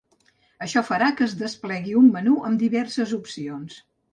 Això farà que es desplegui un menú amb diverses opcions.